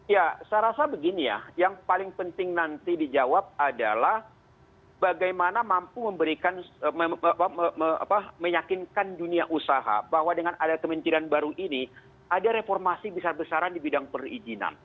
ya saya rasa begini ya yang paling penting nanti dijawab adalah bagaimana mampu memberikan meyakinkan dunia usaha bahwa dengan ada kementerian baru ini ada reformasi besar besaran di bidang perizinan